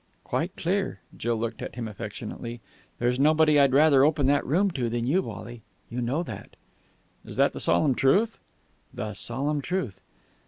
"Quite clear." Jill looked at him affectionately. "There's nobody I'd rather open that room to than you, Wally. You know that." "Is that the solemn truth?" "The solemn truth."